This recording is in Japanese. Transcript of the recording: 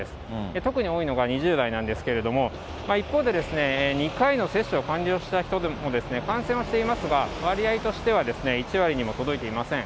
特に多いのが２０代なんですけれども、一方で、２回の接種を完了した人でも、感染はしていますが、割合としては１割にも届いていません。